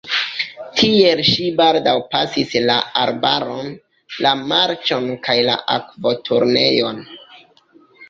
Tiel ŝi baldaŭ pasis la arbaron, la marĉon kaj la akvoturnejon.